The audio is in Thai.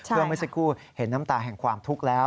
เมื่อสักครู่เห็นน้ำตาแห่งความทุกข์แล้ว